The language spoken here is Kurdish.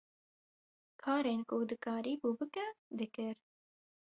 Karên ku dikarîbû bike, dikir.